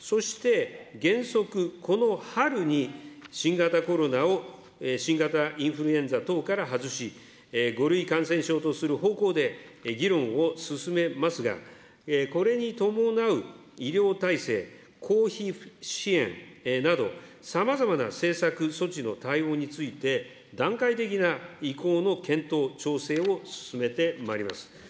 そして、原則、この春に、新型コロナを、新型インフルエンザ等から外し、５類感染症とする方向で、議論を進めますが、これに伴う医療体制、公費支援などさまざまな政策、措置の対応について、段階的な移行の検討、調整を進めてまいります。